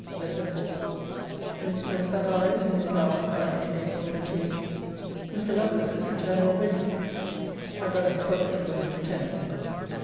LETTER IV MISS CLARISSA HARLOWE, TO MISS HOWE FRIDAY, APRIL 28. Mr. Lovelace is returned already. My brother's projects were his pretence.